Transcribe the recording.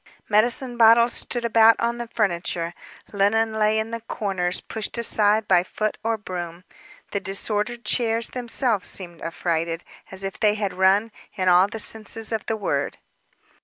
Medicine bottles stood about on the furniture, linen lay in the corners, pushed aside by foot or broom. The disordered chairs themselves seemed affrighted, as if they had run, in all the senses of the word.